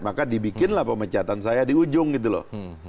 maka dibikinlah pemecatan saya di ujung gitu loh